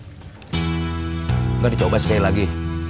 uang gak dicoba sekali lagi